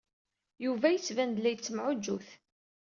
Yuba yettban-d la yettemɛuǧǧut.